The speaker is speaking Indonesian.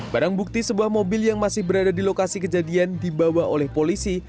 barang bukti sebuah mobil yang masih berada di lokasi kejadian dibawa oleh polisi